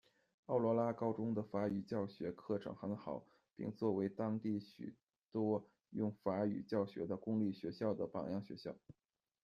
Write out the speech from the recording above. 奥罗拉高中的法语教学课程很好，并作为当地许多用法语教学的公立学校的榜样学校。